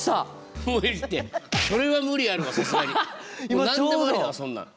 もう何でもありだわそんなん。